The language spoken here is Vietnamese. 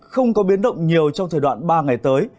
không có biến động nhiều trong thời đoạn ba ngày tới